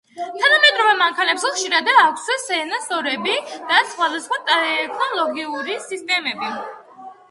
თანამედროვე მანქანებს ხშირად აქვთ სენსორები და სხვადასხვა ტექნოლოგიური სისტემები.